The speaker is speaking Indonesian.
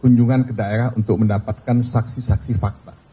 kunjungan ke daerah untuk mendapatkan saksi saksi fakta